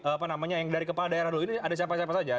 apa namanya yang dari kepala daerah dulu ini ada siapa siapa saja